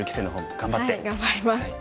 頑張ります。